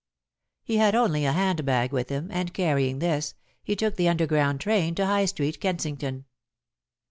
He had only a hand bag with him, and, carrying this, he took the underground train to High Street, Kensington.